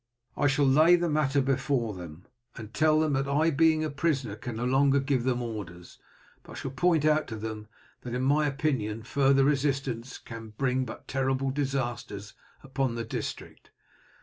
I shall lay the matter before them, and tell them that I being a prisoner can no longer give them orders, but shall point out to them that in my opinion further resistance can but bring terrible disasters upon the district.